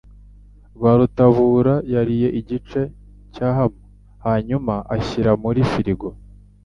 Rwarutabura yariye igice cya ham, hanyuma ashyira muri firigo.